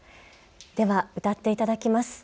では、歌っていただきます。